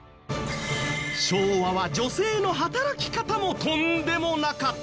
昭和は女性の働き方もとんでもなかった。